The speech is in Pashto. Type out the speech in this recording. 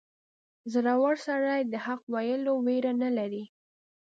• زړور سړی د حق ویلو ویره نه لري.